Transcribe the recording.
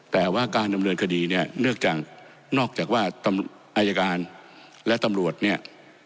แต่ว่าการดำเนินคดีเนี่ยเนื่องจากนอกจากว่าอายการและตำรวจเนี่ย